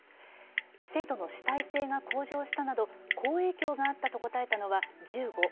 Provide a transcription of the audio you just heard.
生徒の主体性が向上したなど好影響があったと答えたのは１５。